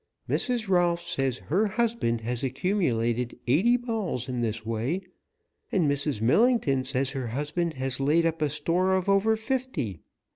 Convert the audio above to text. Mrs. Rolfs says her husband has accumulated eighty balls in this way, and Mrs. Millington says her husband has laid up a store of over fifty.